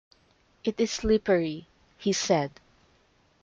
“It is slippery,” he said.